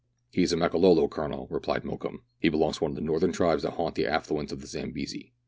" He is a Makololo, Colonel," replied Mokoum. " He belongs to one of the northern tribes that haunt the affluents of the Zambesi.